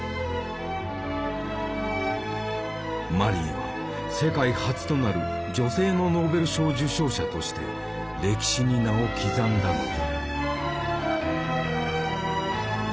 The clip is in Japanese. マリーは世界初となる女性のノーベル賞受賞者として歴史に名を刻んだのだ。